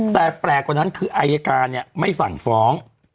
แต่แปลกกว่านั้นคืออายการเนี่ยไม่สั่งฟ้อง